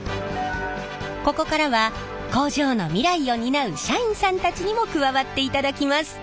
ここからは工場の未来を担う社員さんたちにも加わっていただきます。